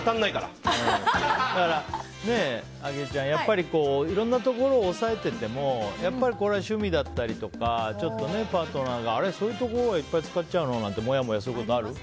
あきえちゃん、やっぱりいろんなところを抑えててもこれは趣味だったりとかパートナーがあれ、そういうとこでいっぱい使っちゃうの？ってあります。